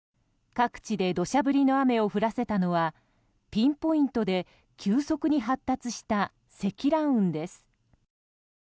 各地で土砂降りの雨を降らせたのはピンポイントで急速に発達した積乱雲です。